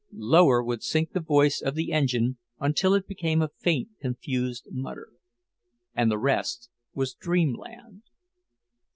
Lower would sink the voice of the engine until it became a faint confused mutter. And the rest was dreamland.